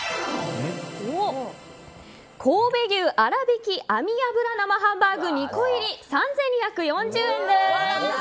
神戸牛あらびき網脂生ハンバーグ２個入り、３２４０円です。